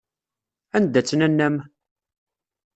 Anda-tt nanna-m?